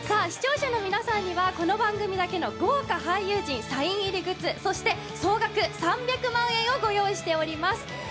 視聴者の皆さんにはこの番組だけの豪華俳優陣サイン入りグッズ、そして総額３００万円をご用意しております。